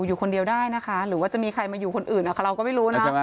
อยู่คนเดียวได้นะคะหรือว่าจะมีใครมาอยู่คนอื่นเราก็ไม่รู้นะ